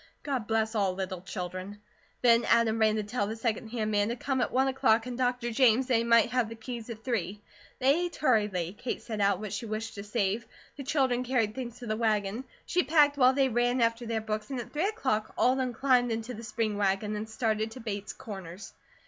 God bless all little children. Then Adam ran to tell the second hand man to come at one o'clock and Dr. James that he might have the keys at three. They ate hurriedly. Kate set out what she wished to save; the children carried things to the wagon; she packed while they ran after their books, and at three o'clock all of them climbed into the spring wagon, and started to Bates Corners.